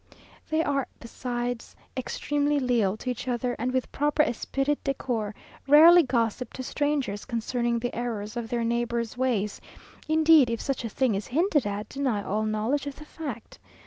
They are besides extremely leal to each other, and with proper esprit de corps, rarely gossip to strangers concerning the errors of their neighbours' ways; indeed, if such a thing is hinted at, deny all knowledge of the fact.